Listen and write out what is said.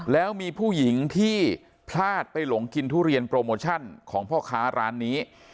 แล้วมีผู้หญิงที่พลาดไปหลงกินทุเรียนโปรโมชั่นของพ่อค้าร้านนี้